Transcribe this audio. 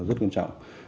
rất nghiêm trọng